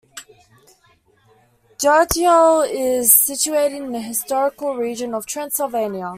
Geoagiu is situated in the historical region of Transylvania.